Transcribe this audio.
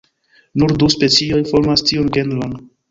Nur du specioj formas tiun genron.